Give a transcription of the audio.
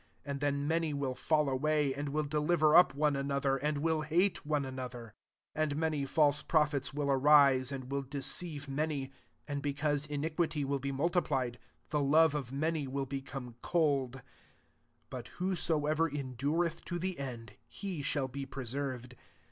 10 And then many will fall away, and will deliver up one another, and will hate one another. 11 And many false prophets will arise and will de ceive many. 12 And because iniquity will be multiplied, the love of many will become cold: 13 but whosoever endureth to the end, he shall be preserved.